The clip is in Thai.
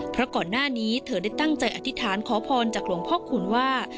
เพราะก่อนหน้านี้เธอได้ตั้งใจอธิษฐานขอพรจากหลวงพ่อคูณว่า